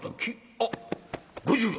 あっ５０両。